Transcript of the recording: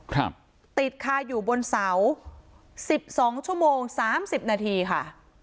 ครับติดคาอยู่บนเสาสิบสองชั่วโมงสามสิบนาทีค่ะ